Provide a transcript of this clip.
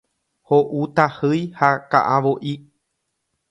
Ho'u tahýi ha ka'avo'i.